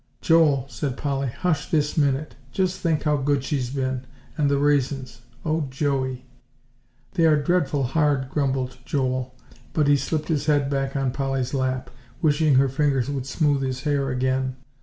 "Joel," said Polly, "hush this minute; just think how good she's been, and the raisins. O Joey!" "They are dreadful hard," grumbled Joel; but he slipped his head back on Polly's lap, wishing her fingers would smooth his hair again.